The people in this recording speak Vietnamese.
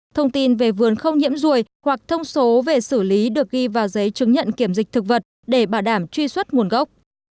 thông tin về vườn không nhiễm ruồi hoặc thông số về xử lý được ghi vào giấy chứng nhận kiểm dịch thực vật để bảo đảm truy xuất nguồn gốc